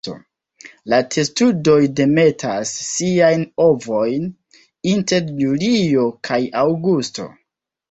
La testudoj demetas siajn ovojn inter julio kaj aŭgusto.